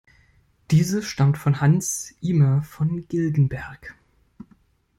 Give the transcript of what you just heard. Diese stammt von Hans Imer von Gilgenberg.